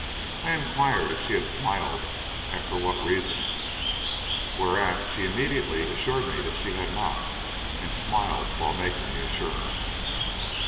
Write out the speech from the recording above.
I inquired if she had smiled and for what reason; whereat she immediately assured me that she had not, and smiled while making the assurance.